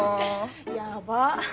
ヤバっ。